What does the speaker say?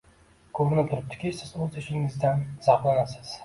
Koʻrinib turibdiki, siz oʻz ishingizdan zavqlanasiz.